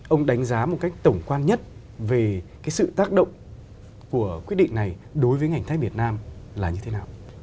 ông đánh giá một cách tổng quan nhất về cái sự tác động của quyết định này đối với ngành thép việt nam là như thế nào